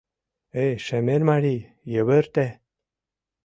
Эй, шемер марий, йывырте